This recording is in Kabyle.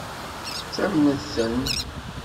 Ttamnent-ten?